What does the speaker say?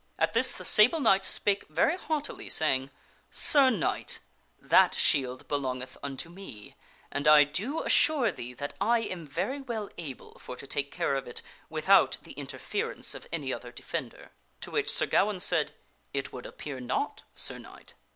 At this the Sable Knight spake very haughtily, saying, " Sir Knight, that shield belongeth unto me and I do assure thee that I am very well able for to take care of it without the interference of any 246 THE STORY OF SIR PELLIAS other defender." To which Sir Gawaine said, " It would appear not, Sir Knight."